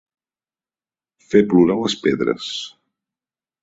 Fer plorar les pedres.